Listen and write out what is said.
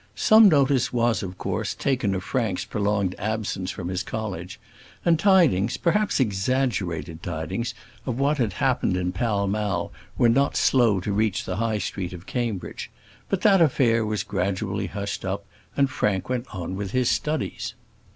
Some notice was, of course, taken of Frank's prolonged absence from his college; and tidings, perhaps exaggerated tidings, of what had happened in Pall Mall were not slow to reach the High Street of Cambridge. But that affair was gradually hushed up; and Frank went on with his studies.